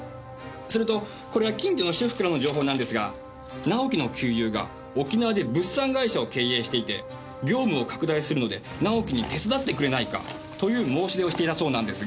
それとこれは近所の主婦からの情報なんですが直樹の旧友が沖縄で物産会社を経営していて業務を拡大するので直樹に手伝ってくれないかという申し出をしていたそうなんですが。